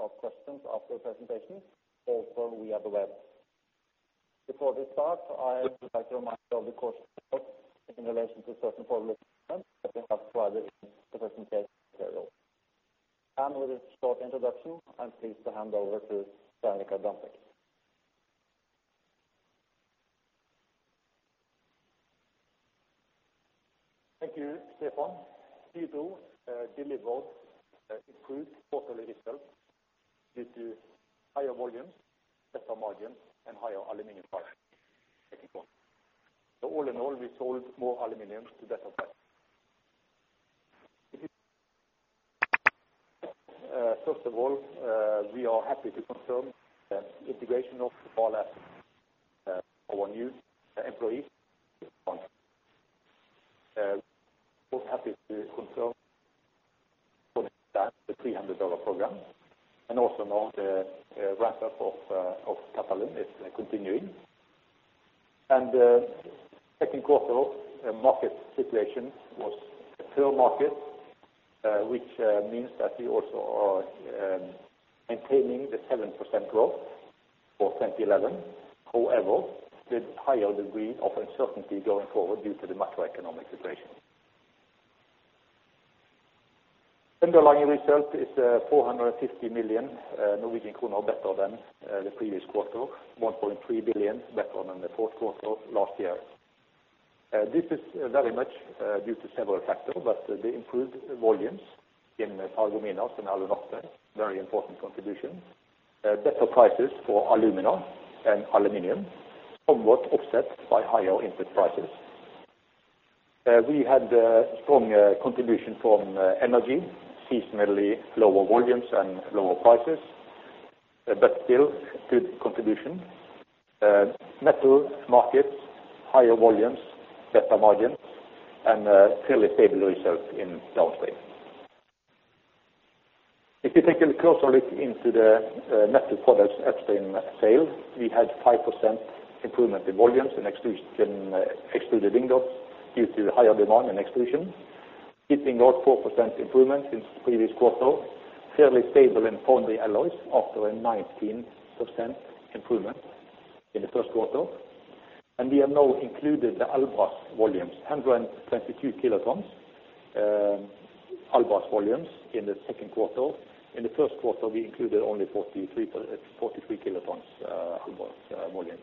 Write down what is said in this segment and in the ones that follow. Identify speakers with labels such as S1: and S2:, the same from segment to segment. S1: To answer all questions after the presentation. Also we have the web. Before we start, I would like to remind you of the caution note in relation to certain forward-looking statements that we have provided in the presentation materials. With this short introduction, I'm pleased to hand over to Svein Richard Brandtzæg.
S2: Thank you, Stefan. Q2 delivered improved quarterly results due to higher volumes, better margins, and higher aluminum prices. Thank you. All in all, we sold more aluminum to better prices. First of all, we are happy to confirm the integration of Alunorte, our new employees. We're happy to confirm that the $300 program, and also now the ramp-up of Qatalum is continuing. Second quarter market situation was a fair market, which means that we also are maintaining the 7% growth for 2011. However, with higher degree of uncertainty going forward due to the macroeconomic situation. Underlying result is 450 million Norwegian kroner better than the previous quarter, 1.3 billion better than the fourth quarter of last year. This is very much due to several factors, but the improved volumes in Alumina and Alunorte, very important contribution. Better prices for alumina and aluminum, somewhat offset by higher input prices. We had strong contribution from energy, seasonally lower volumes and lower prices, but still good contribution. Metal markets, higher volumes, better margins, and fairly stable results in downstream. If you take a closer look into the metal products upstream sales, we had 5% improvement in volumes in extrusion ingots due to higher demand in extrusion. Keeping our 4% improvement since the previous quarter. Fairly stable in foundry alloys after a 19% improvement in the first quarter. We have now included the Albras volumes, 122 kilotons, Albras volumes in the second quarter. In the first quarter, we included only 43 kilotons Albras volumes.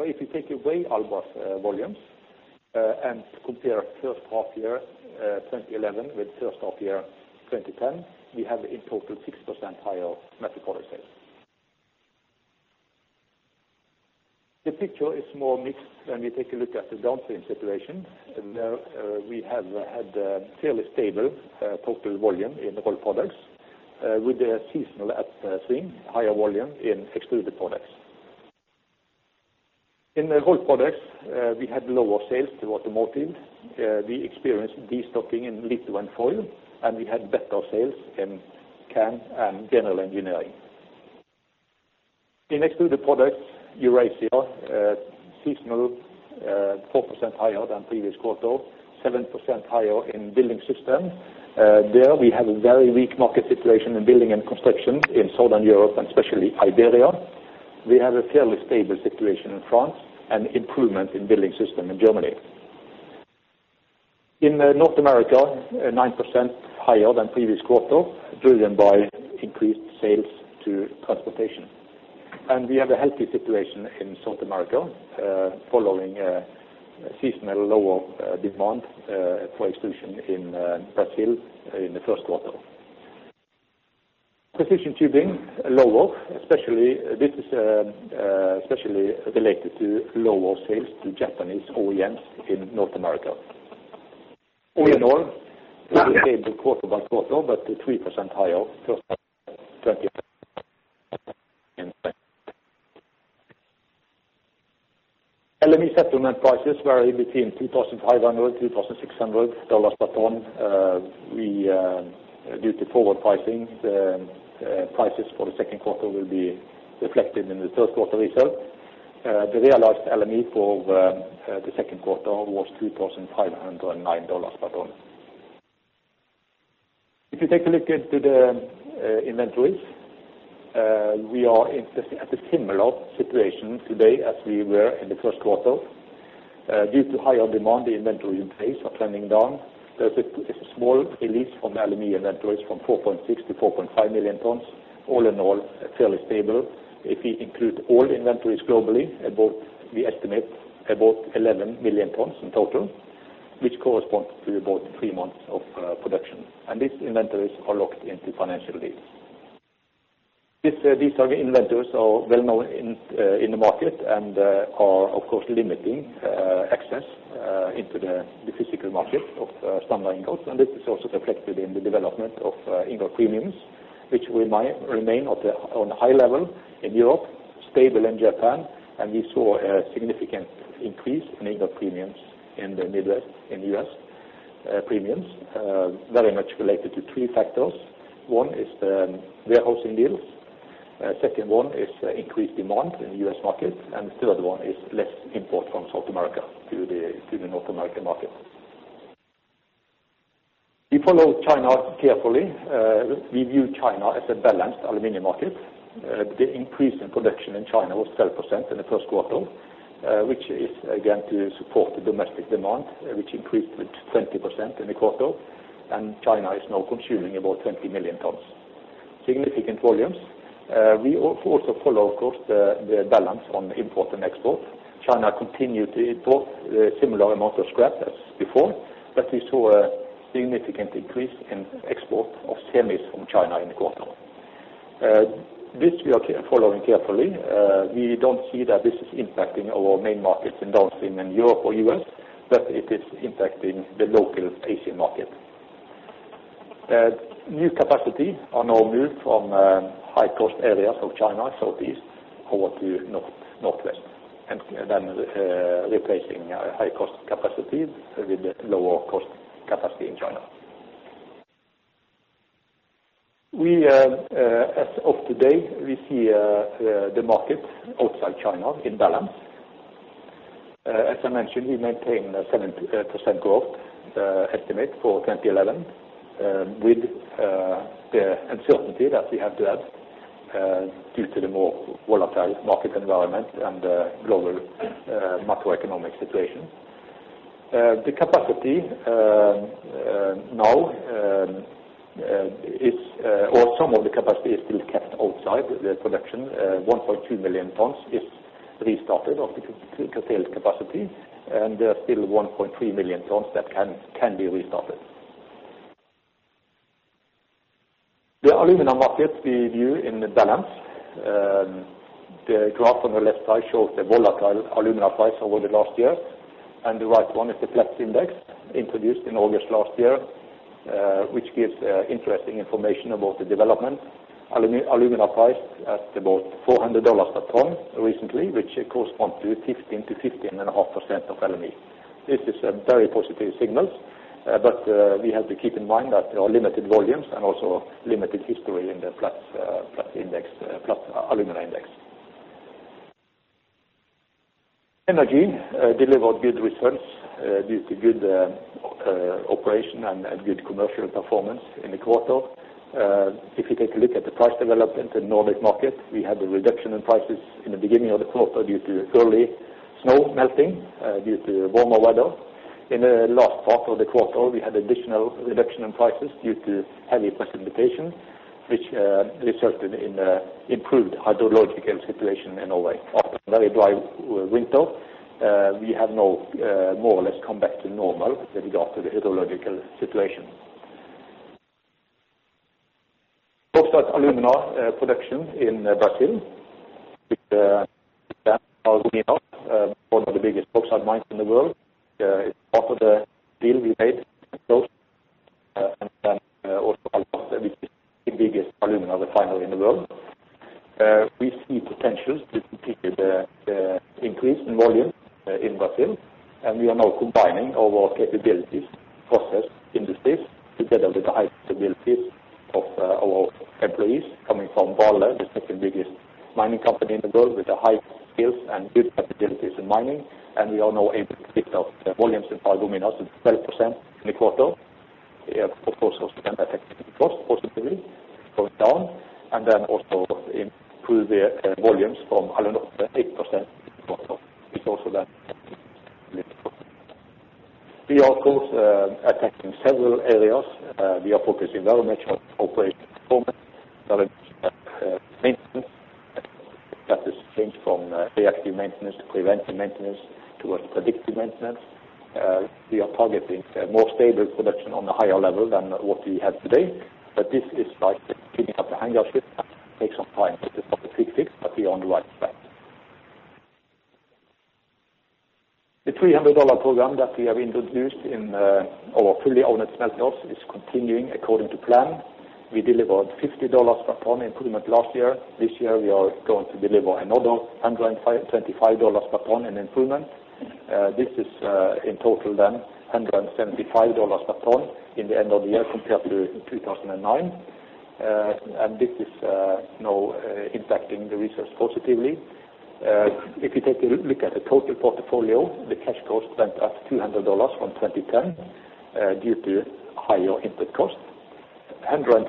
S2: If you take away Albras volumes and compare first half year 2011 with first half year 2010, we have in total 6% higher metal product sales. The picture is more mixed when we take a look at the downstream situation. We have had a fairly stable total volume in rolled products with a seasonal upswing, higher volume in extruded products. In the rolled products, we had lower sales to automotive. We experienced destocking in litho and foil, and we had better sales in can and general engineering. In extruded products, Europe seasonal 4% higher than previous quarter, 7% higher in building systems. There we have a very weak market situation in building and construction in Southern Europe, and especially Iberia. We have a fairly stable situation in France, and improvement in building system in Germany. In North America, 9% higher than previous quarter, driven by increased sales to transportation. We have a healthy situation in South America, following a seasonal lower demand for extrusion in Brazil in the first quarter. Precision tubing, lower, especially related to lower sales to Japanese OEMs in North America. Overall, stable quarter by quarter, but 3% higher first half 2011. LME settlement prices vary between $2,500-$2,600 per ton. Due to forward pricing, prices for the second quarter will be reflected in the third quarter result. The realized LME for the second quarter was $2,509 per ton. If you take a look into the inventories, we are at a similar situation today as we were in the first quarter. Due to higher demand, the inventory days are trending down. There's a small release from alumina inventories from 4.6-4.5 million tons. All in all, fairly stable. If we include all the inventories globally, we estimate about 11 million tons in total, which corresponds to about three months of production. These inventories are locked into financial deals. These target inventories are well known in the market and are of course limiting access into the physical market of standard ingots. This is also reflected in the development of ingot premiums, which will remain at a high level in Europe, stable in Japan. We saw a significant increase in ingot premiums in the Middle East, in the US premiums. Very much related to three factors. One is the warehousing deals. Second one is increased demand in the US market. The third one is less import from South America to the North American market. We follow China carefully. We view China as a balanced aluminum market. The increase in production in China was 30% in the first quarter, which is again to support the domestic demand, which increased with 20% in the quarter. China is now consuming about 20 million tons. Significant volumes. We also follow, of course, the balance on import and export. China continued to import a similar amount of scrap as before, but we saw a significant increase in export of semis from China in the quarter. This we are following carefully. We don't see that this is impacting our main markets in downstream in Europe or U.S., but it is impacting the local Asian market. New capacity are now moved from high cost areas of China, Southeast over to Northwest, and then replacing high cost capacity with lower cost capacity in China. As of today, we see the market outside China in balance. As I mentioned, we maintain a 7% growth estimate for 2011, with the uncertainty that we have to add due to the more volatile market environment and global macroeconomic situation. The capacity now is, or some of the capacity is still kept outside the production. 1.2 million tons is restarted of the curtailed capacity, and there are still 1.3 million tons that can be restarted. The alumina market we view in the balance. The graph on the left side shows the volatile alumina price over the last year, and the right one is the Platts Index introduced in August last year, which gives interesting information about the development. Alumina price at about $400 a ton recently, which corresponds to 15%-15.5% of LME. This is a very positive signals, but we have to keep in mind that there are limited volumes and also limited history in the Platts Alumina Index. Energy delivered good results due to good operation and good commercial performance in the quarter. If you take a look at the price development in Nordic market, we had a reduction in prices in the beginning of the quarter due to early snow melting due to warmer weather. In the last part of the quarter, we had additional reduction in prices due to heavy precipitation, which resulted in an improved hydrological situation in Norway. After a very dry winter, we have now more or less come back to normal with regard to the hydrological situation. Bauxite and alumina production in Brazil, with the plant Paragominas, one of the biggest bauxite mines in the world. It's part of the deal we made with Alcoa, and then also Alunorte, which is the biggest alumina refiner in the world. We see potentials to particularly the increase in volume in Brazil, and we are now combining our capabilities, process industries, together with the high capabilities of our employees coming from Vale, the second biggest mining company in the world with a high skills and good capabilities in mining. We are now able to lift up the volumes in Paragominas with 12% in the quarter. Yeah, of course, also can affect cost positively going down, and then also improve the volumes from Alunorte 8% in the quarter. We are of course attacking several areas. We are focusing very much on operational performance, very much on maintenance. That is changed from reactive maintenance to preventive maintenance towards predictive maintenance. We are targeting a more stable production on a higher level than what we have today. This is like picking up an aircraft, takes some time. It is not a quick fix, but we are on the right track. The $300 program that we have introduced in our fully owned smelters is continuing according to plan. We delivered $50 per ton improvement last year. This year, we are going to deliver another $125 per ton in improvement. This is, in total, 1,075 dollars per ton in the end of the year compared to 2009. This is now impacting the results positively. If you take a look at the total portfolio, the cash cost went up $200 from 2010, due to higher input costs. $125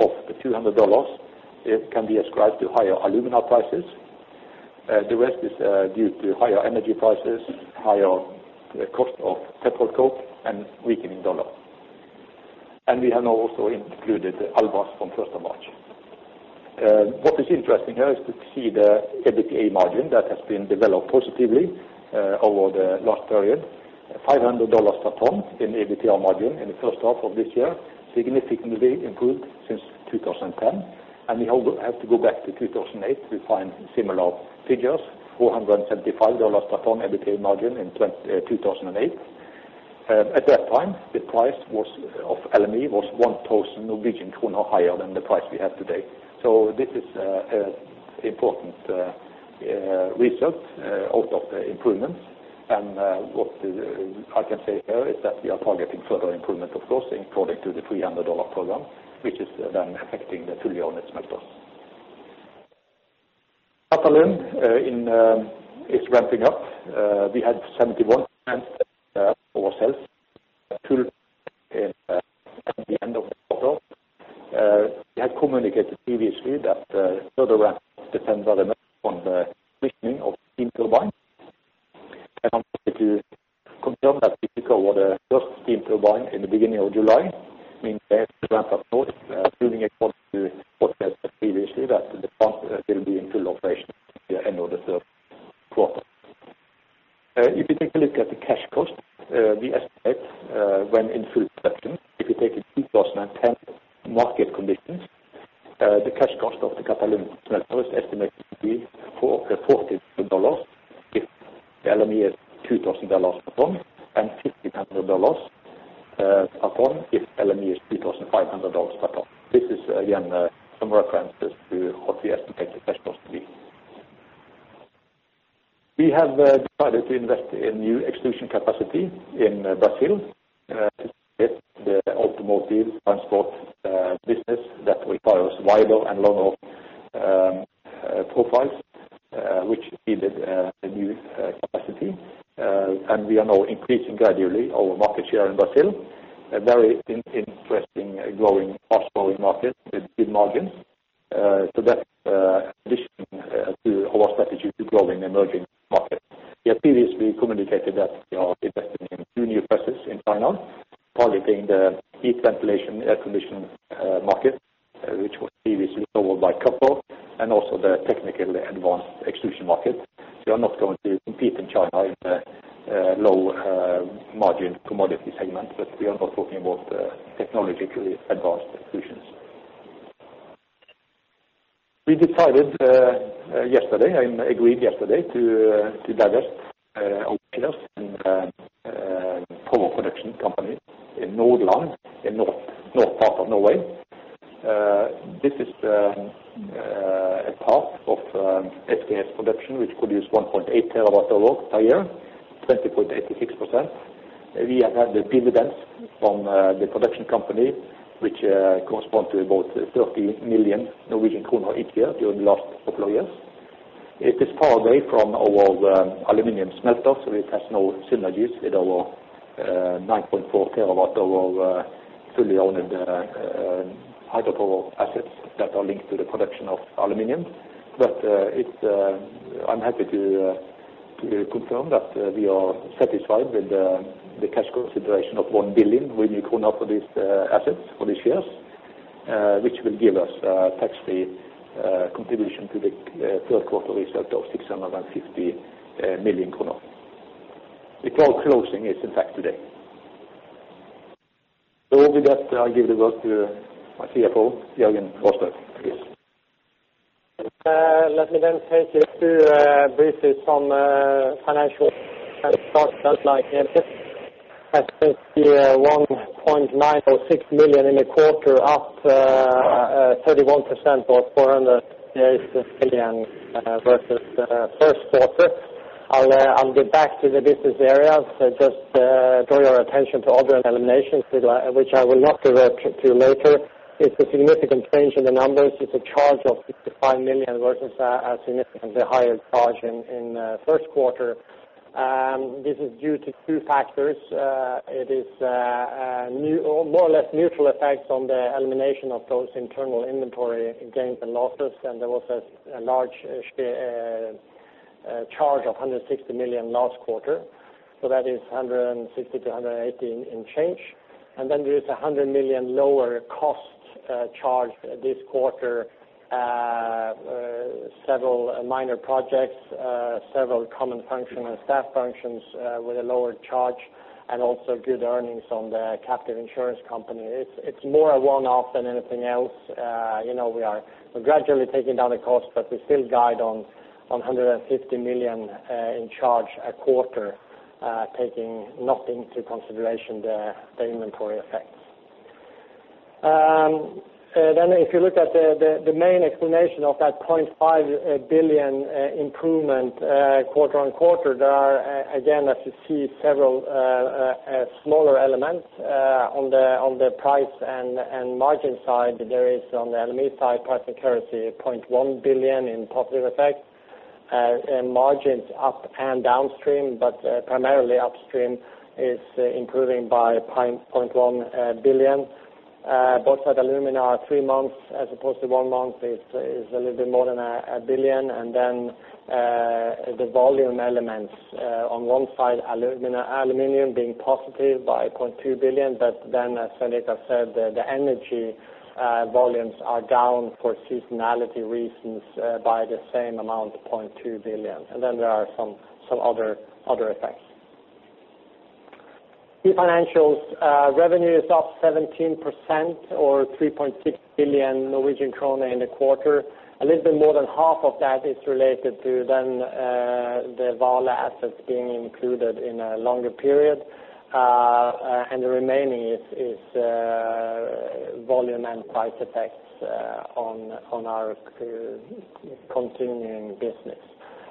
S2: of the $200, it can be ascribed to higher alumina prices. The rest is due to higher energy prices, higher cost of petroleum coke, and weakening dollar. We have now also included Albras from first of March. What is interesting here is to see the EBITDA margin that has been developed positively over the last period. $500 per ton in EBITDA margin in the first half of this year, significantly improved since 2010. We all have to go back to 2008 to find similar figures, $475 per ton EBITDA margin in 2008. At that time, the LME price was 1% Norwegian krone higher than the price we have today. This is important result out of the improvements. What I can say here is that we are targeting further improvement, of course, according to the $300 program, which is then affecting the fully owned smelters. Qatalum is ramping up. We had 71% of our cells full at the end of the quarter. We had communicated previously that further ramp depends very much on the switching of steam turbines. I'm happy to confirm that we took over the first steam turbine in the beginning of July, means that the ramp up towards building according to what we said previously, that the plant will be in full operation at the end of the third quarter. If you take a look at the cash cost, we estimate, when in full production, if you take a 2010 market conditions, the cash cost of the Qatalum smelter is estimated to be $440 million if the LME is $2,000 a ton, and $1,500 a ton if LME is $2,500 a ton. This is again some references to what we estimate the cash cost to be. We have decided to invest in new extrusion capacity in Brazil to get the automotive transport business that requires wider and longer profiles, which needed a new capacity. We are now increasing gradually our market share in Brazil. A very aluminum. I'm happy to confirm that we are satisfied with the cash consideration of 1 billion for these assets, for these shares, which will give us tax-free contribution to the third quarter result of 650 million kroner. The deal closing is in fact today. With that, I'll give the floor to my CFO, Jørgen Rostrup, please.
S3: Let me then take you through briefly some financial results just like Svein Richard. I think the 196 million in the quarter up 31% or NOK 400 million versus the first quarter. I'll get back to the business areas. Just draw your attention to other eliminations, which I will not refer to later. It's a significant change in the numbers. It's a charge of 65 million versus a significantly higher charge in first quarter. This is due to two factors. It is now more or less neutral effects on the elimination of those internal inventory gains and losses. There was a large FX charge of 160 million last quarter. That is 160 million-180 million in change. There is 100 million lower cost charge this quarter. Several minor projects, several common functional staff functions, with a lower charge and also good earnings from the captive insurance company. It's more a one-off than anything else. You know, we're gradually taking down the cost, but we still guide on 150 million in charge a quarter, not taking into consideration the inventory effects. Then if you look at the main explanation of that 0.5 billion improvement quarter-on-quarter, there are again, as you see, several smaller elements on the price and margin side. There is on the LME side, price and currency, 0.1 billion in positive effect. Margins up and downstream, but primarily upstream is improving by 0.1 billion. Both at alumina, three months as opposed to one month, is a little bit more than a billion. The volume elements, on one side, aluminum being positive by 0.2 billion, but then as I said, the energy volumes are down for seasonality reasons, by the same amount, 0.2 billion. There are some other effects. Key financials, revenue is up 17% or 3.6 billion Norwegian krone in the quarter. A little bit more than half of that is related to the Vale assets being included in a longer period. The remaining is volume and price effects on our continuing business.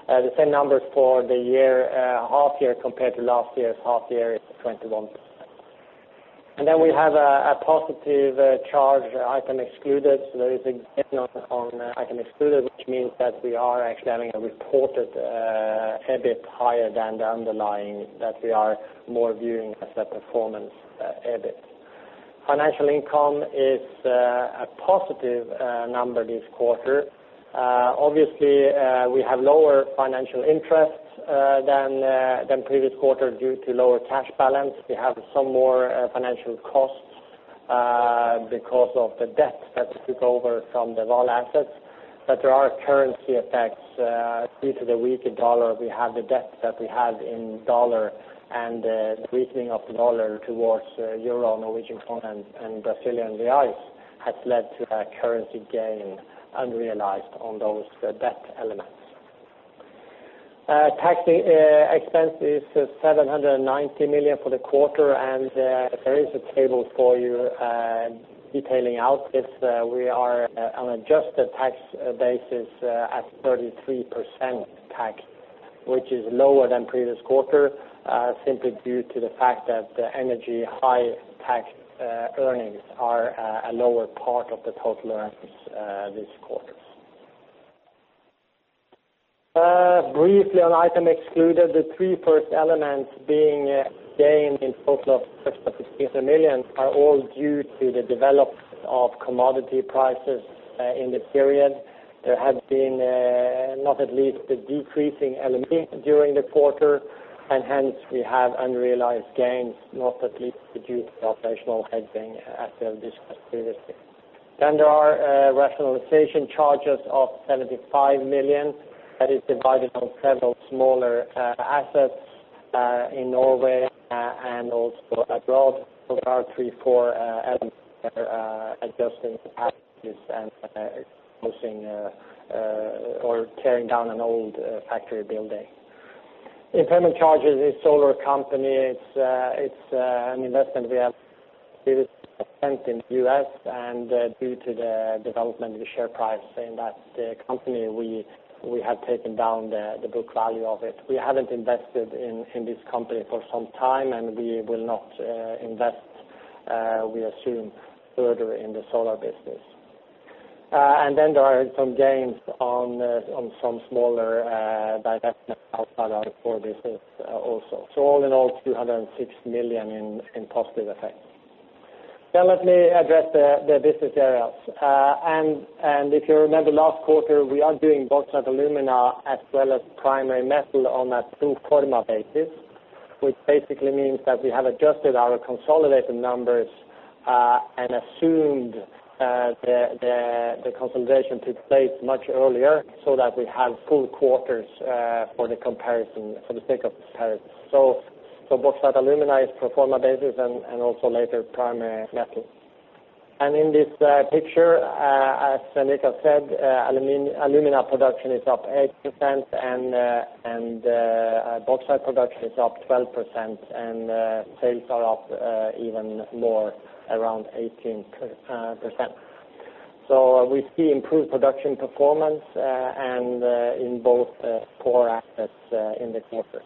S3: The same numbers for the year half year compared to last year's half year is 21%. Then we have a positive charge item excluded. There is a gain on item excluded, which means that we are actually having a reported EBIT higher than the underlying that we are more viewing as a performance EBIT. Financial income is a positive number this quarter. Obviously, we have lower financial interest than previous quarter due to lower cash balance. We have some more financial costs because of the debt that we took over from the Vale assets. There are currency effects due to the weaker dollar. We have the debt that we have in dollar and the weakening of the dollar towards euro, Norwegian krone, and Brazilian reals has led to a currency gain unrealized on those debt elements. Tax expense is 790 million for the quarter. There is a table for you detailing out this. We are on an adjusted tax basis at 33% tax, which is lower than previous quarter, simply due to the fact that the energy high tax earnings are a lower part of the total earnings this quarter. Briefly on item excluded, the three first elements being gains in total of 6.6 million are all due to the development of commodity prices in the period. There have been not least the decreasing LME during the quarter, and hence we have unrealized gains, not least reduced our operational hedging as we have discussed previously. There are rationalization charges of 75 million that is divided on several smaller assets in Norway and also abroad. There are three, four elements that are adjusting capacities and closing or tearing down an old factory building. Impairment charges in solar company. It's an investment we have previously made in U.S. Due to the development of the share price in that company, we have taken down the book value of it. We haven't invested in this company for some time, and we will not invest, we assume, further in the solar business. Then there are some gains on some smaller divestments outside our core business also. All in all, 260 million in positive effects. Now let me address the business areas. If you remember last quarter, we are doing bauxite alumina as well as Primary Metal on a full pro forma basis, which basically means that we have adjusted our consolidated numbers and assumed the consolidation took place much earlier so that we have full quarters for the comparison, for the sake of comparison. Bauxite alumina is pro forma basis and also later Primary Metal. In this picture, as Niklas said, alumina production is up 8%, bauxite production is up 12%, and sales are up even more, around 18%. We see improved production performance and in both core assets in the quarter.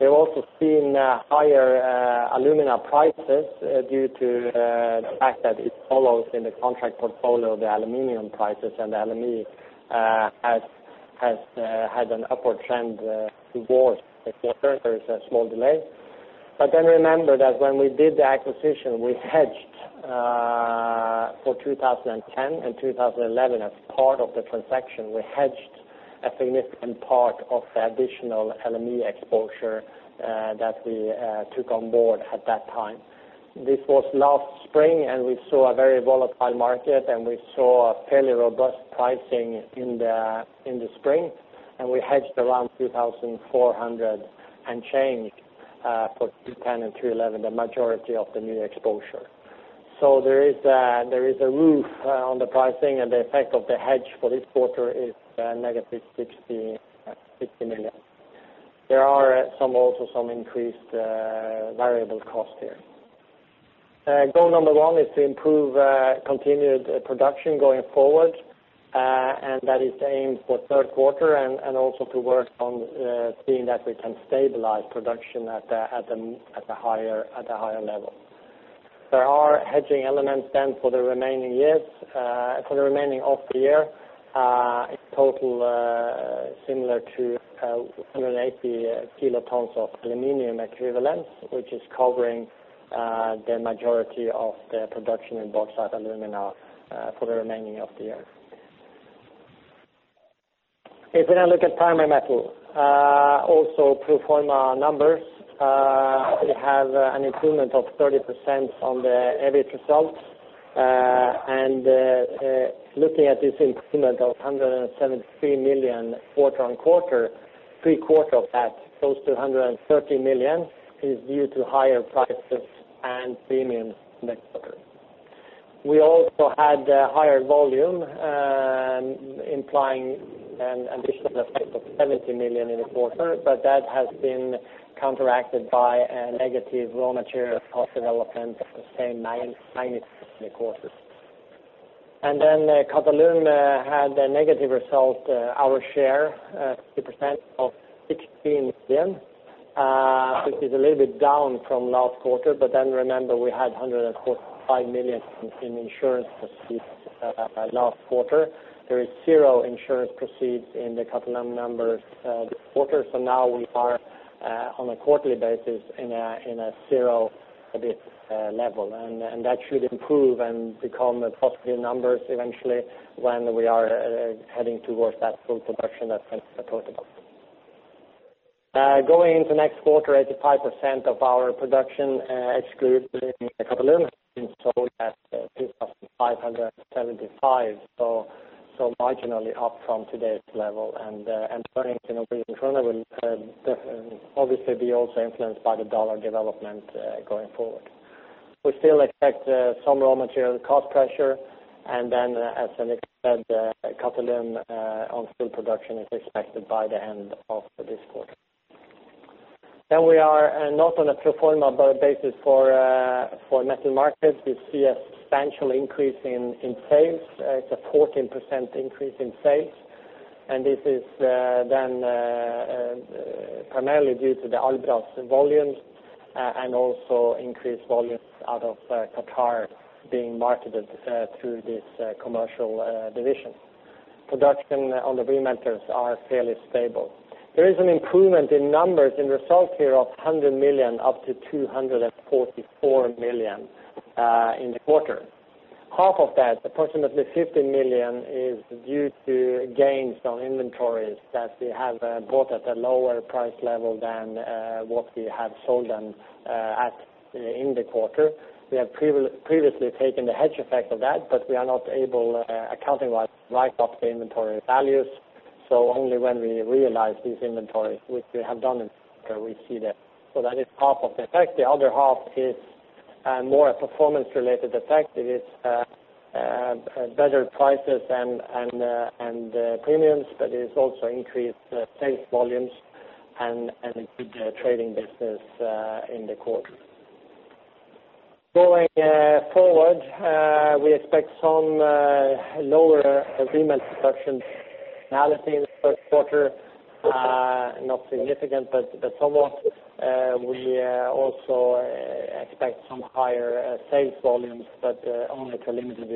S3: We've also seen higher alumina prices due to the fact that it follows in the contract portfolio the aluminum prices, and the LME has had an upward trend towards the quarter. There is a small delay. Remember that when we did the acquisition, we hedged for 2010 and 2011. As part of the transaction, we hedged a significant part of the additional LME exposure that we took on board at that time. This was last spring, and we saw a very volatile market, and we saw a fairly robust pricing in the spring. We hedged around $2,400 and change for 2010 and 2011, the majority of the new exposure. There is a roof on the pricing, and the effect of the hedge for this quarter is -60 million. There are also some increased variable costs here. Goal number one is to improve continued production going forward, and that is aimed for third quarter and also to work on seeing that we can stabilize production at a higher level. There are hedging elements then for the remaining years, for the remaining of the year, in total, similar to 180 kilotons of aluminum equivalents, which is covering the majority of the production in bauxite and alumina, for the remaining of the year. If we now look at Primary Metal, also pro forma numbers, we have an improvement of 30% on the EBIT results. Looking at this improvement of 173 million quarter-on-quarter, three quarters of that, close to 130 million, is due to higher prices and premiums mix. We also had higher volume, implying an additional effect of 70 million in the quarter, but that has been counteracted by a negative raw material cost development of the same 90 million in the quarter. Qatalum had a negative result, our share 50% of 16 million, which is a little bit down from last quarter. Remember, we had 145 million in insurance proceeds last quarter. There is zero insurance proceeds in the Qatalum numbers this quarter. Now we are on a quarterly basis in a zero EBIT level. That should improve and become positive numbers eventually when we are heading towards that full production that Svein Richard Brandtzæg talked about. Going into next quarter, 85% of our production, excluding Qatalum, has been sold at $2,575, so marginally up from today's level. Earnings overall obviously be also influenced by the dollar development going forward. We still expect some raw material cost pressure. As Henrik said, Qatalum on full production is expected by the end of this quarter. We are not on a pro forma basis for metal markets. We see a substantial increase in sales. It's a 14% increase in sales, and this is then primarily due to the Albras volumes and also increased volumes out of Qatar being marketed through this commercial division. Production on the remelters are fairly stable. There is an improvement in numbers in result here of 100 million up to 244 million in the quarter. Half of that, approximately 50 million, is due to gains on inventories that we have bought at a lower price level than what we have sold them at in the quarter. We have previously taken the hedge effect of that, but we are not able accounting-wise to write off the inventory values. Only when we realize these inventories, which we have done in the quarter, we see that. That is half of the effect. The other half is more a performance related effect. It is better prices and premiums, but it is also increased sales volumes and a good trading business in the quarter. Going forward, we expect some lower remelt production in the first quarter. Not significant, but somewhat, we also expect some higher sales volumes, but only to a limited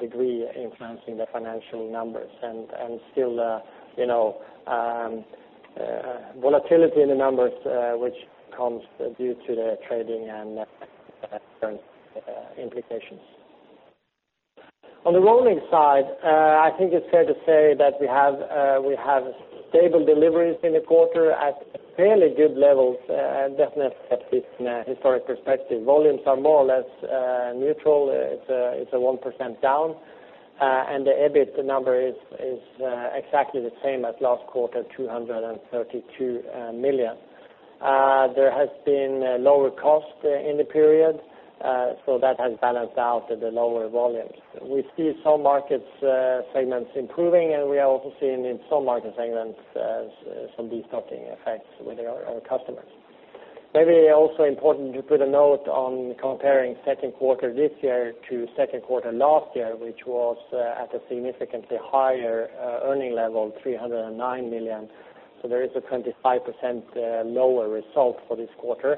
S3: degree influencing the financial numbers. Still, you know, volatility in the numbers, which comes due to the trading and implications. On the rolling side, I think it's fair to say that we have stable deliveries in the quarter at fairly good levels, definitely at least in a historical perspective. Volumes are more or less neutral. It's a 1% down, and the EBIT number is exactly the same as last quarter, 232 million. There has been lower cost in the period, so that has balanced out the lower volumes. We see some markets, segments improving, and we are also seeing in some market segments, some destocking effects with our customers. Maybe also important to put a note on comparing second quarter this year to second quarter last year, which was, at a significantly higher, earning level, 309 million. There is a 25% lower result for this quarter.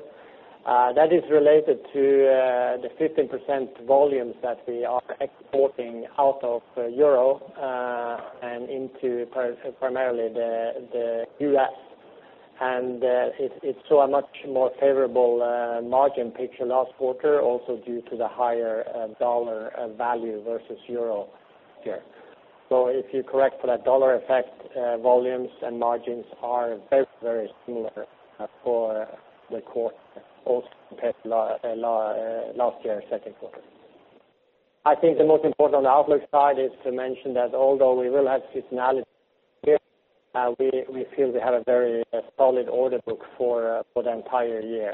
S3: That is related to, the 15% volumes that we are exporting out of Europe, and into primarily the US. It's also a much more favorable, margin picture last quarter also due to the higher, dollar value versus euro here. If you correct for that dollar effect, volumes and margins are very similar for the quarter also compared last year second quarter. I think the most important on the outlook side is to mention that although we will have seasonality here, we feel we have a very solid order book for the entire year.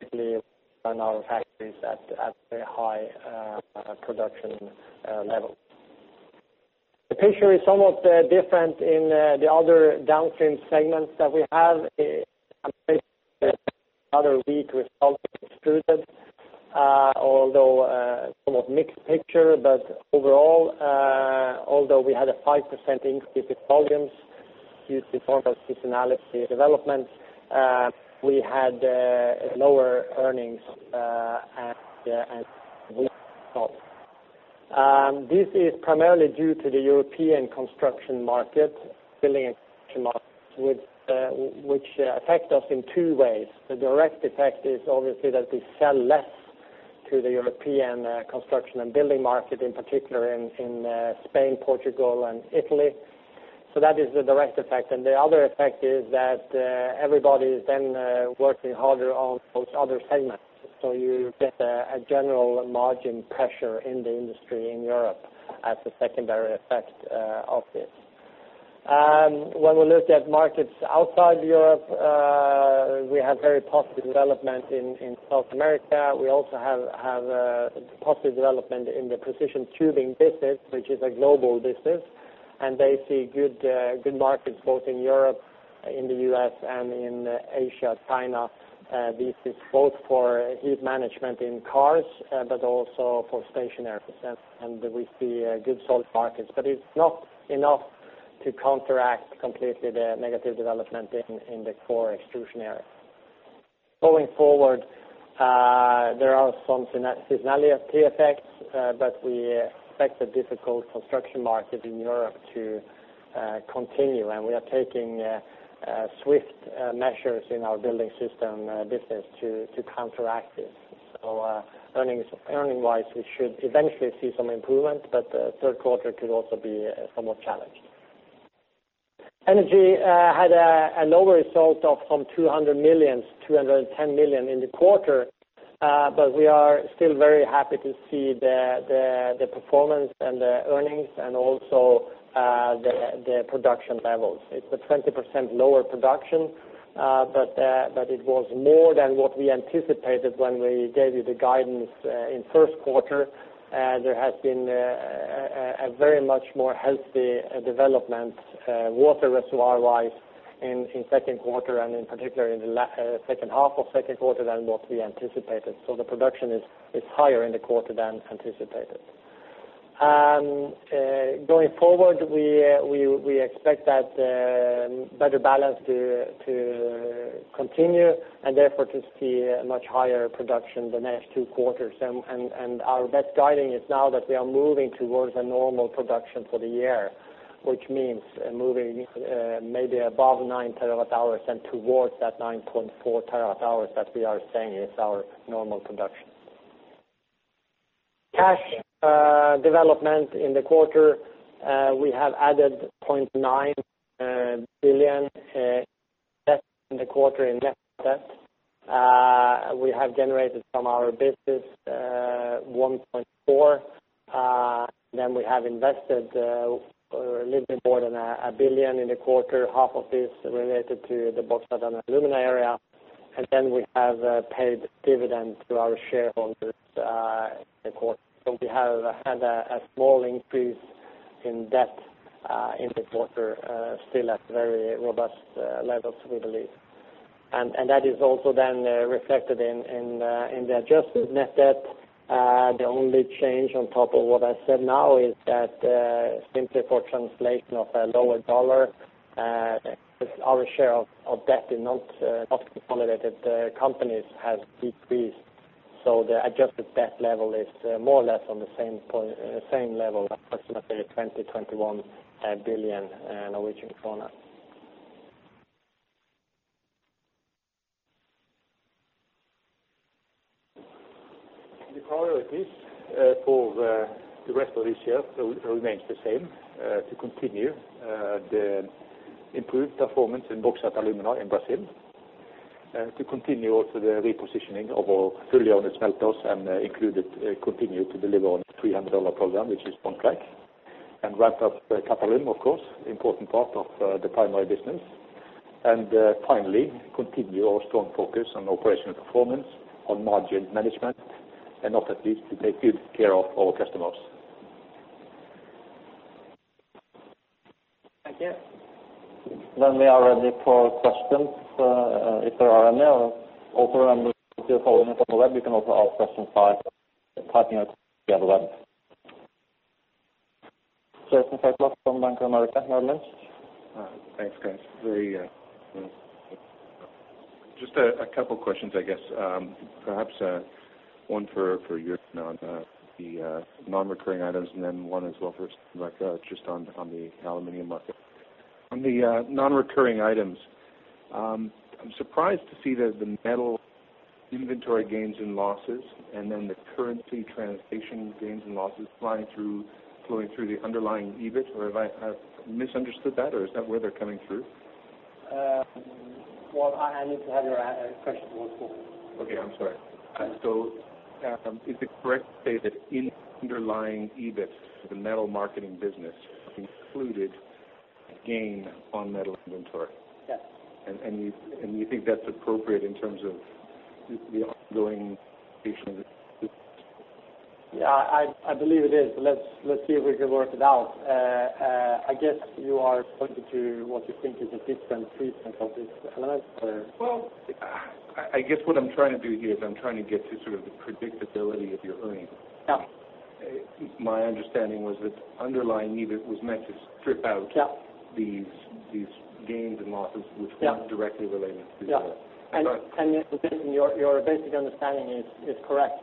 S3: Basically run our factories at a high production level. The picture is somewhat different in the other downstream segments that we have. A rather weak result extruded, although somewhat mixed picture. Overall, although we had a 5% increase in volumes due to normal seasonality development, we had lower earnings at result. This is primarily due to the European construction market, building and construction markets, which affect us in two ways. The direct effect is obviously that we sell less to the European construction and building market, in particular in Spain, Portugal, and Italy. That is the direct effect. The other effect is that everybody is then working harder on those other segments. You get a general margin pressure in the industry in Europe as a secondary effect of this. When we looked at markets outside Europe, we had very positive development in South America. We also have positive development in the precision tubing business, which is a global business. They see good markets both in Europe, in the US, and in Asia, China. This is both for heat management in cars, but also for stationary. We see good solid markets, but it's not enough to counteract completely the negative development in the core extrusion area. Going forward, there are some seasonality effects, but we expect a difficult construction market in Europe to continue, and we are taking swift measures in our building systems business to counteract this. Earnings-wise, we should eventually see some improvement, but third quarter could also be somewhat challenging. Energy had a lower result from 200 million to 210 million in the quarter. But we are still very happy to see the performance and the earnings and also the production levels. It's a 20% lower production, but it was more than what we anticipated when we gave you the guidance in first quarter. There has been a much more healthy development water reservoir-wise in second quarter, and in particular in the second half of second quarter than what we anticipated. The production is higher in the quarter than anticipated. Going forward, we expect that better balance to continue and therefore to see a much higher production the next two quarters. Our best guidance is now that we are moving towards a normal production for the year, which means moving maybe above 9 TWh and towards that 9.4 TWh that we are saying is our normal production. Cash development in the quarter, we have added 0.9 billion debt in the quarter in net debt. We have generated from our business 1.4 billion. We have invested a little bit more than 1 billion in the quarter, half of this related to the Alunorte alumina area. We have paid dividend to our shareholders in the quarter. We have had a small increase in debt in the quarter, still at very robust levels, we believe. That is also then reflected in the adjusted net debt. The only change on top of what I said now is that simply for translation of a lower dollar, our share of debt in non-consolidated companies has decreased. The adjusted debt level is more or less on the same level, approximately 20 billion-21 billion Norwegian kroner.
S2: The priorities for the rest of this year remains the same, to continue the improved performance in Alunorte alumina in Brazil, to continue also the repositioning of our fully owned smelters, continue to deliver on the $300 program, which is on track. Ramp up the Qatalum, of course, important part of the primary business. Finally, continue our strong focus on operational performance, on margin management, and not least to take good care of our customers.
S3: Thank you. We are ready for questions, if there are any. Also remember, if you're following us on the web, you can also ask questions by typing out via the web. First up, from Bank of America, Netherlands.
S4: Thanks, guys. Just a couple questions, I guess. Perhaps one for you, Jørgen, on the non-recurring items, and then one as well for Svein Richard Brandtzæg just on the aluminum market. On the non-recurring items, I'm surprised to see that the metal inventory gains and losses and then the currency translation gains and losses flowing through the underlying EBIT. Or have I misunderstood that, or is that where they're coming through?
S3: Well, I need to have your question once more.
S4: I'm sorry. Is it correct to say that in underlying EBIT, the metal marketing business included a gain on metal inventory?
S3: Yes.
S4: You think that's appropriate in terms of the ongoing.
S3: Yeah, I believe it is, but let's see if we can work it out. I guess you are pointing to what you think is a different treatment of this element or.
S4: Well, I guess what I'm trying to do here is I'm trying to get to sort of the predictability of your earnings.
S3: Yeah.
S4: My understanding was that underlying EBIT was meant to strip out.
S3: Yeah.
S4: these gains and losses which weren't directly related to the
S3: Yeah. Your basic understanding is correct.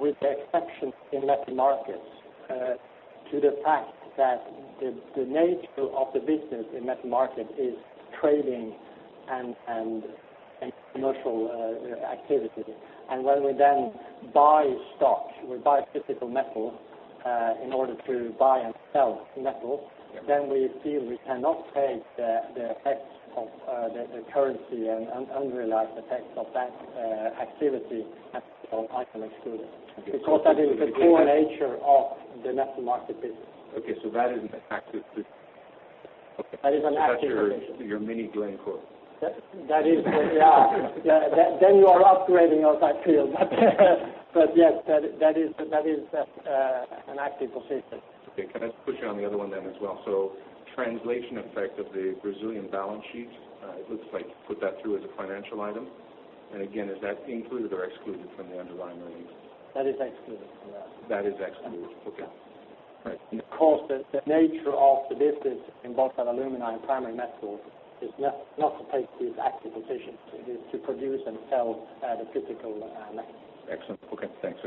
S3: With the exception in metal markets to the fact that the nature of the business in metal market is trading and commercial activity. When we then buy stock, we buy physical metal in order to buy and sell metal.
S4: Yeah.
S3: We feel we cannot take the effects of the currency and unrealized effects of that activity as, you know, item excluded.
S4: Okay.
S3: Because that is the core nature of the metal market business.
S4: Okay, that is a factor. Okay.
S3: That is an active position.
S4: That's your mini Glencore?
S3: That is. Yeah. You are upgrading us, I feel. Yes, that is an active position.
S4: Okay. Can I just push you on the other one then as well? Translation effect of the Brazilian balance sheet, it looks like you put that through as a financial item. Again, is that included or excluded from the underlying earnings?
S3: That is excluded from that.
S4: That is excluded.
S3: Yes.
S4: Okay. All right.
S3: Of course, the nature of the business in both our alumina and Primary Metal is not to take these active positions. It is to produce and sell at a typical margin.
S4: Excellent. Okay, thanks.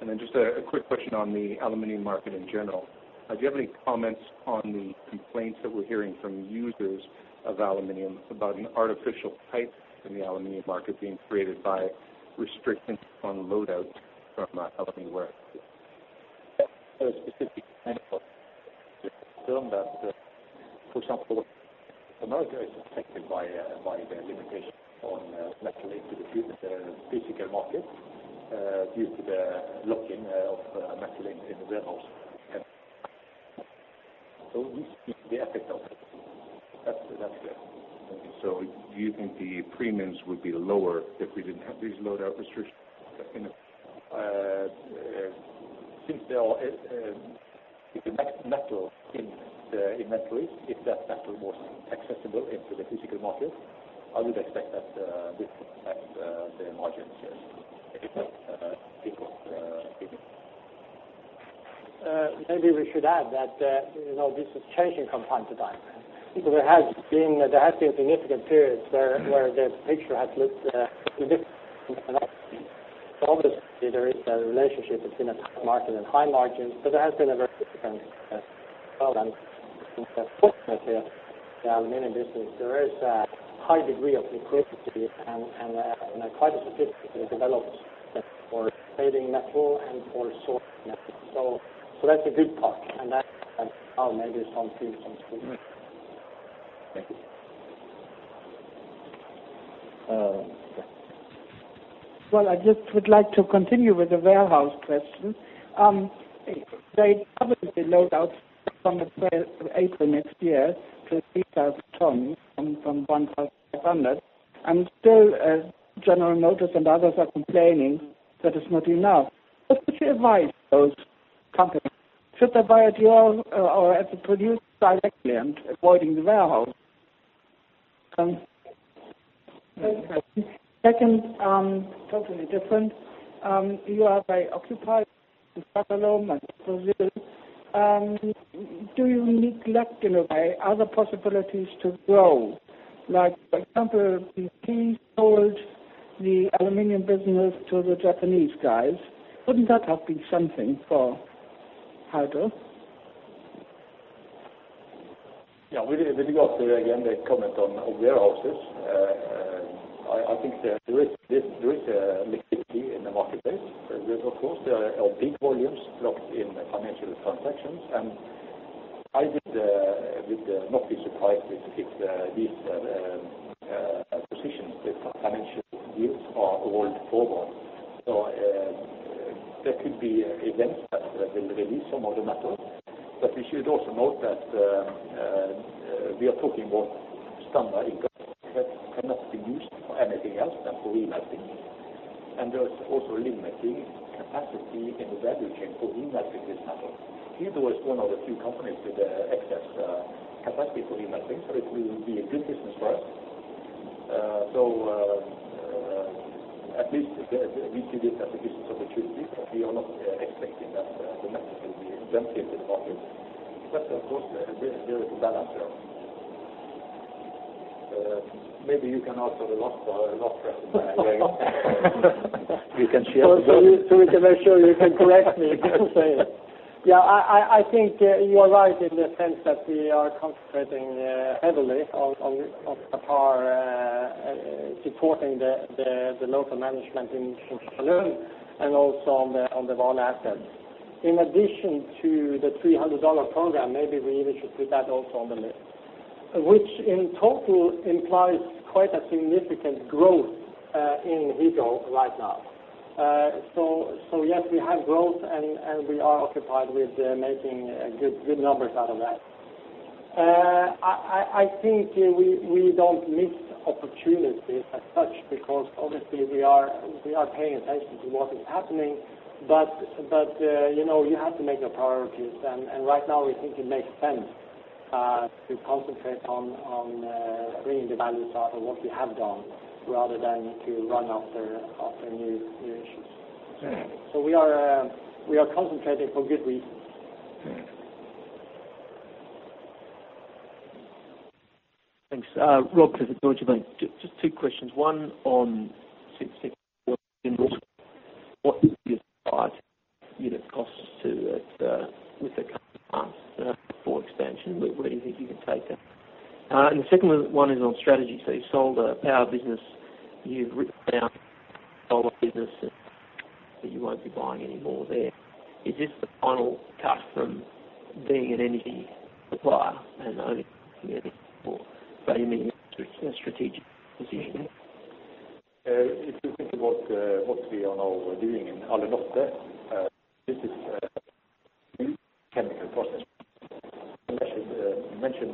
S4: I just wanted to clarify. Just a quick question on the aluminum market in general. Do you have any comments on the complaints that we're hearing from users of aluminum about an artificial hype in the aluminum market being created by restrictions on load out from aluminum warehouses?
S3: That's a specific factor that, for example, the market is affected by the limitation on metal into the physical market due to the locking of metal in the warehouse. We see the effect of it. That's clear.
S4: Okay. Do you think the premiums would be lower if we didn't have these load out restrictions?
S3: Since they are, if the metal in the inventories, if that metal was accessible into the physical market, I would expect that this would affect the margins equally. Maybe we should add that, you know, this is changing from time to time. There has been significant periods where the picture has looked completely different from how it is. Obviously, there is a relationship between a tight market and high margins, but there has been a very significant development in the procurement of the aluminum business. There is a high degree of liquidity and a quite sophisticated development for saving metal and for sourcing metal. That's a good part. That's how maybe some things improve.
S4: Thank you.
S3: Yes. Well, I just would like to continue with the warehouse question. They obviously load out from the first of April next year to 3,000 tons from 1,500. Still, General Motors and others are complaining that is not enough. What would you advise those companies? Should they buy it all or have to produce directly and avoiding the warehouse? Second, totally different. You are very occupied in Barcarena and Brazil. Do you neglect, in a way, other possibilities to grow? Like, for example, BHP sold the aluminum business to the Japanese guys. Wouldn't that have been something for Hydro?
S2: Yeah, with regard to, again, the comment on warehouses, I think there is a liquidity in the marketplace. There are of course big volumes locked in financial transactions. I would not be surprised if these positions with financial yields are rolled forward. There could be events that will release some of the metal. We should also note that we are talking about standard ingots that cannot be used for anything else than for remelting. There's also limiting capacity in the value chain for remelting this metal. Hydro is one of the few companies with excess capacity for remelting, so it will be a good business for us. At least we see this as a business opportunity, but we are not expecting that the metal will be dumped into the market. Of course, there is a balance there. Maybe you can answer the last question, Glenn.
S3: You can share. We can make sure you can correct me if I fail. Yeah, I think you are right in the sense that we are concentrating heavily on supporting the local management in Salou and also on the Vale assets. In addition to the $300 program, maybe we even should put that also on the list, which in total implies quite a significant growth in Hydro right now. Yes, we have growth and we are occupied with making good numbers out of that. I think we don't miss opportunities as such because obviously we are paying attention to what is happening. But you know, you have to make your priorities. Right now we think it makes sense to concentrate on bringing the values out of what we have done rather than to run after new issues. We are concentrating for good reasons.
S5: Thanks. Rob Clifford, Deutsche Bank. Just two questions. One on coke unit costs to, with the current plans for expansion, where do you think you can take that? And the second one is on strategy. You sold a power business, you've written down solar business, and that you won't be buying any more there. Is this the final cut from being an energy supplier and only looking at it for value meaning strategic position?
S2: If you think about what we are now doing in Alunorte, this is a new chemical process. I should mention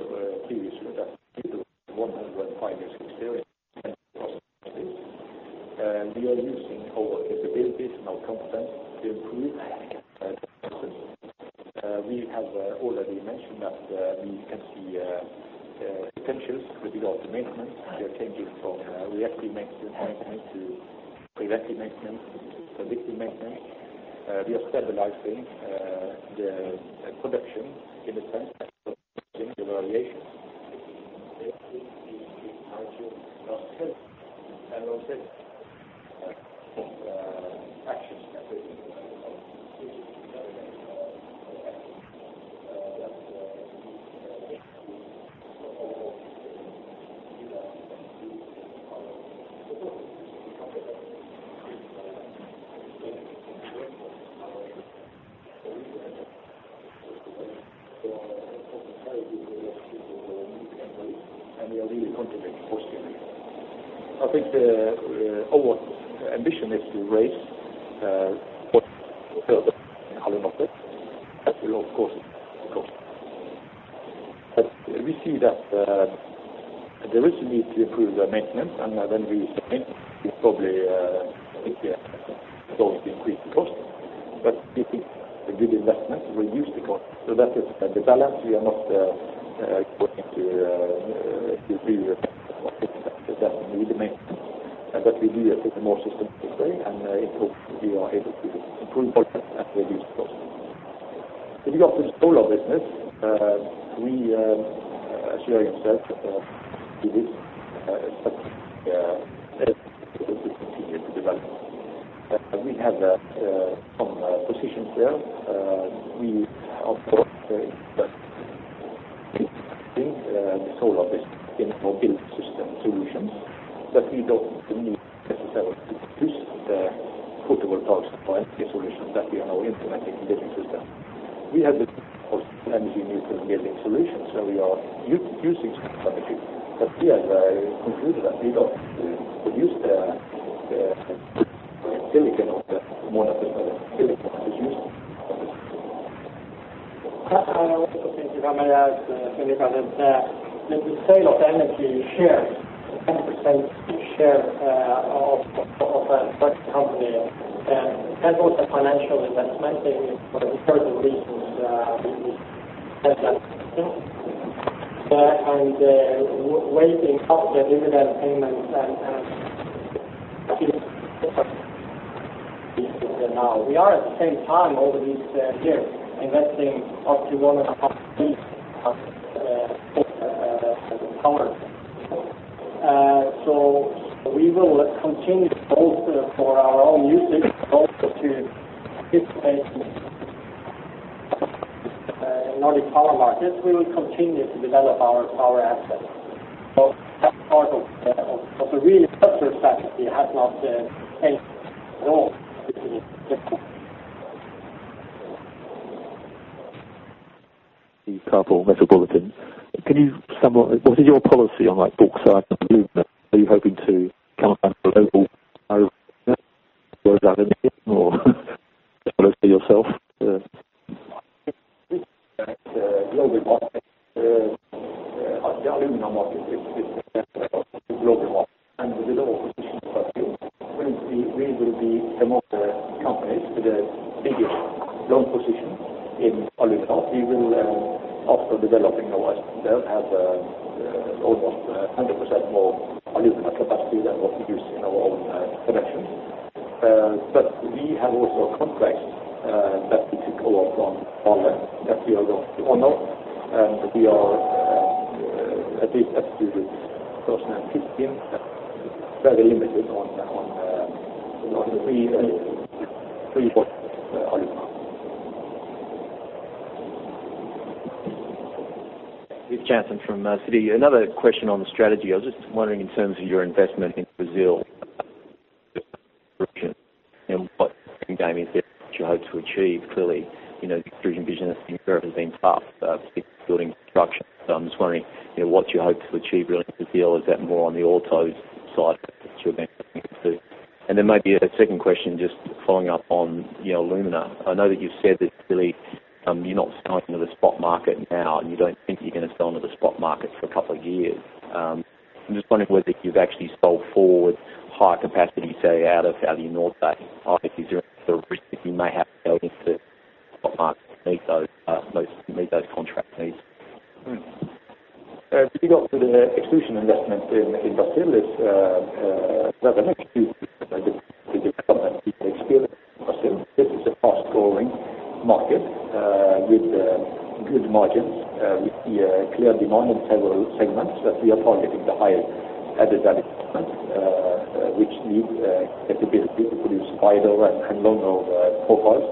S2: previously that we do have 105 years experience in process. We are using our capabilities and our confidence to improve the process. We have already mentioned that we can see We have some positions there. We of course invest in the solar business in our building system solutions, but we don't need necessarily to produce the photovoltaic solutions that we are now implementing in building systems. We have the energy neutral building solutions, so we are using some energy. We have concluded that we don't produce the silicon or the monocrystalline silicon that is used. The sale of energy shares, 10% share, of SKS Produksjon, that was a financial investment intended for the current reserves we have that and waiting for the dividend payments and now. We are at the same time over these years investing up to 1.5 billion in power. We will continue both for our own usage, both to participate in Nordic power markets. We will continue to develop our power assets. That's part of the overall structure that we have not changed at all.
S6: Steve Karpel, Metropolitan. Can you summarize what is your policy on like buy side of the aluminum? Are you hoping to kind of find a local
S7: that really, you're not selling to the spot market now, and you don't think you're going to sell into the spot market for a couple of years. I'm just wondering whether you've actually sold forward higher capacity, say out of Alunorte. Is there a risk that you may have to go into the spot market to meet those contract needs?
S2: If you go to the extrusion investment in Brazil, this is a fast-growing market with good margins with the clear demand in several segments. We are targeting the higher added value segments, which need capability to produce wider and longer profiles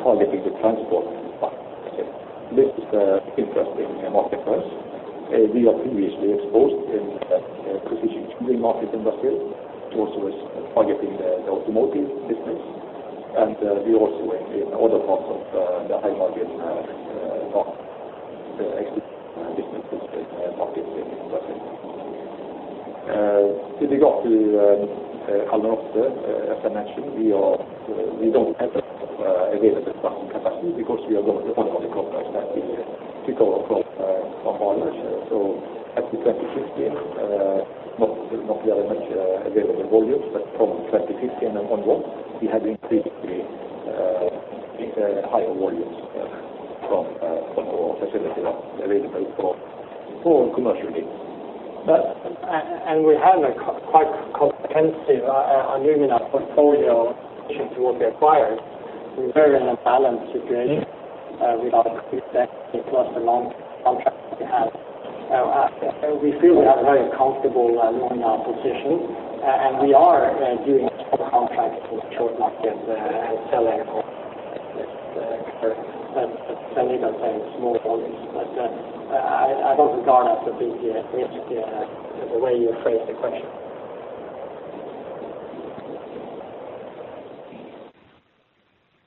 S2: targeting the transport. This is an interesting market for us. We are previously exposed in precision tubing market industries. Also targeting the automotive business. We also are in other parts of the high-margin market. The exit and different markets
S3: With regard to Alunorte, as I mentioned, we don't have available ton capacity because we are going to.
S2: One of the complex that we took over from Vale. Up to 2016, not too much available volumes, but from 2015 onwards, we have increased the higher volumes from our facility that's available for commercial use.
S3: We have a quite competitive aluminum portfolio should it be acquired. We're very much in a balanced situation with ours plus the long contracts we have. We feel we have a very comfortable aluminum position, and we are doing some contracts with spot market, and sell.
S2: They've got very small volumes. I don't regard that to be a risk the way you phrase the question.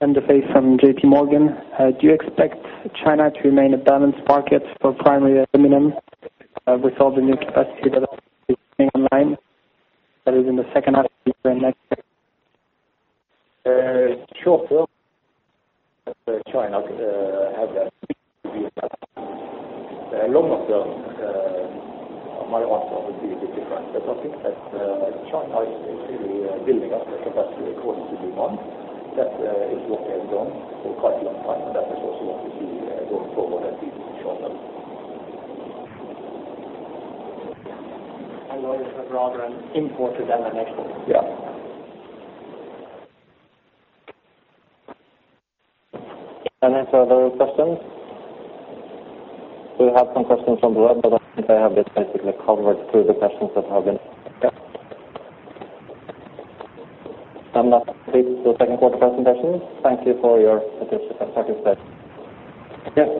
S8: André Farias from JPMorgan. Do you expect China to remain a balanced market for primary aluminum, with all the new capacity that is coming online? That is in the second half of the next year.
S2: Short term, China has a big
S3: Along with them, my answer would be a bit different. I think that China is really building up the capacity according to demand. That is what they have done for quite a long time, and that is also what we see going forward at least short term.
S2: What is rather than an importer than an exporter.
S3: Yeah.
S1: Any further questions? We have some questions on the web, but I think I have this basically covered through the questions that have been.
S3: Yeah.
S1: That's it for second quarter presentations. Thank you for your participation.
S3: Yes.